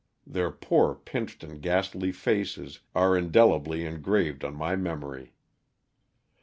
Their poor, pinched, and ghastly faces are indelibly engraved on my memory.